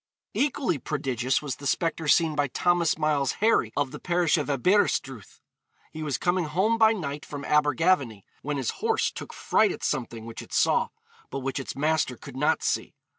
Equally prodigious was the spectre seen by Thomas Miles Harry, of the parish of Aberystruth. He was coming home by night from Abergavenny, when his horse took fright at something which it saw, but which its master could not see.